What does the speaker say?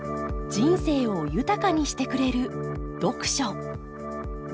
人生を豊かにしてくれる読書。